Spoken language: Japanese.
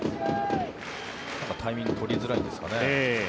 タイミングが取りづらいんですかね。